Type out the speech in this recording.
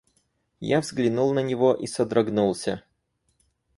Я взглянул на него и содрогнулся.